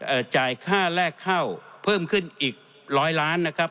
จ่ายค่าแรกเข้าเพิ่มขึ้นอีกร้อยล้านนะครับ